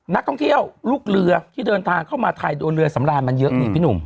นักท่องเที่ยวลูกเรือที่เดินทางเข้ามาไทยโดยเรือสำราญมันเยอะนี่พี่หนุ่ม